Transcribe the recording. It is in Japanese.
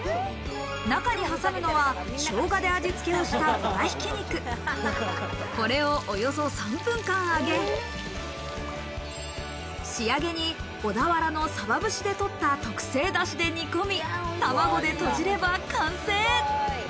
中に挟むのはしょうがで味つけをした豚挽き肉、これをおよそ３分間揚げ、仕上げに小田原のサバ節のダシでとった特製だしで煮込み、卵でとじれば完成！